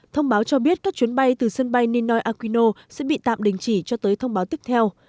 thông báo cho biết các chuyến bay từ sân bay ninoy aquino sẽ bị tạm đình chỉ cho tới thông báo tiếp theo